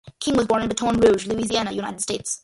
King was born in Baton Rouge, Louisiana, United States.